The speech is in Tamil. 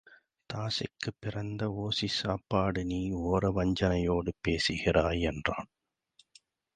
தாசிக்குப் பிறந்த ஒசிச்சாப்பாடு நீ ஒரவஞ்சனையோடு பேசுகிறாய் என்றான்.